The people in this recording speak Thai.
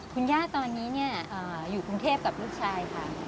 คุณย่าตอนนี้เนี่ยอยู่กับลูกชายค่ะ